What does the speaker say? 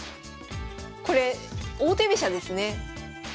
これ王手飛車ですね。